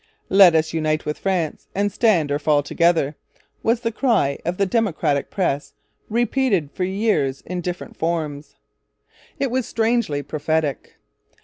'Let us unite with France and stand or fall together' was the cry the Democratic press repeated for years in different forms. It was strangely prophetic.